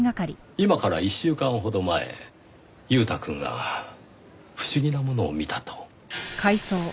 今から１週間ほど前裕太くんが不思議なものを見たと。